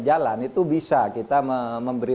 jalan itu bisa kita memberi